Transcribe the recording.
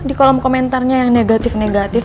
di kolom komentarnya yang negatif negatif